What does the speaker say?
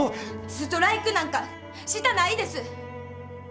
ストライクなんかしたないです。